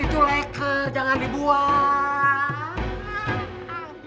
itu leke jangan dibuang